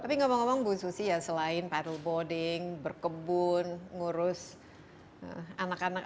tapi ngomong ngomong bu susi ya selain patrol boarding berkebun ngurus anak anak